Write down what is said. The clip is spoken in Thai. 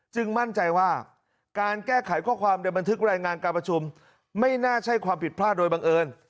มั่นใจว่าการแก้ไขข้อความในบันทึกรายงานการประชุมไม่น่าใช่ความผิดพลาดโดยบังเอิญ